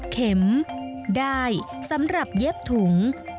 เข็มได้สำหรับเย็บถุง